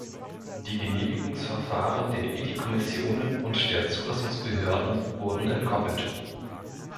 Die Genehmigungsverfahren der Ethikkommissionen und der Zulassungsbehörden wurden entkoppelt.